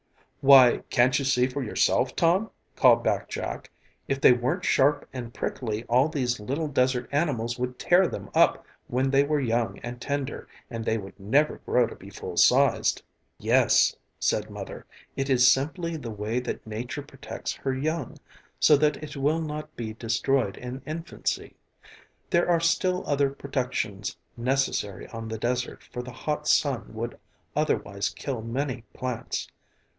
"Why, can't you see for yourself, Tom?" called back Jack, "if they weren't sharp and prickly all these little desert animals would tear them up when they were young and tender and they would never grow to be full sized." "Yes," said Mother, "it is simply the way that nature protects her young so that it will not be destroyed in infancy. There are still other protections necessary on the desert for the hot sun would otherwise kill many plants.